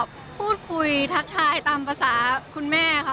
ก็พูดคุยทักทายตามภาษาคุณแม่ค่ะ